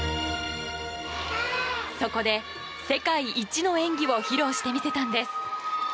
そこで世界一の演技を披露してみせたんです。